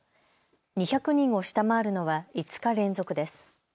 ２００人を下回るのは５日連続です。